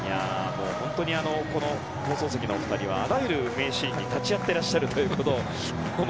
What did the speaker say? この放送席のお二人はあらゆる名シーンに立ち会ってらっしゃるという。